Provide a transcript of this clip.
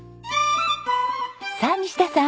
さあ西田さん。